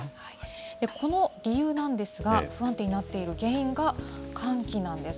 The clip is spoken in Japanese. この理由なんですが、不安定になっている原因が、寒気なんです。